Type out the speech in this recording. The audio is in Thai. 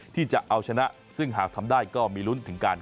ที่จะเอาชนะซึ่งหากทำได้ก็มีลุ้นถึงการ